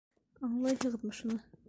Аңлайһығыҙмы шуны?!